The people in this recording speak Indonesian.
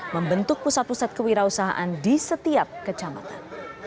membentuk pusat pusat kewirausahaan di setiap kecamatan